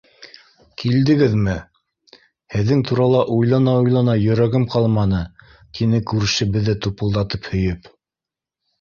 Килдегеҙме? Һеҙҙең турала уйлана-уйлана йөрәгем ҡалманы, — тине күрше беҙҙе тупылдатып һөйөп.